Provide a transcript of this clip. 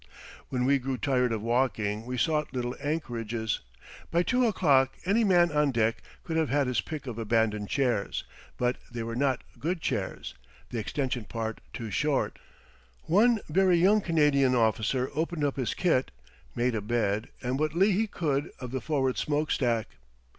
When we grew tired of walking we sought little anchorages. By two o'clock any man on deck could have had his pick of abandoned chairs, but they were not good chairs the extension part too short. One very young Canadian officer opened up his kit, made a bed and what lee he could of the forward smoke stack.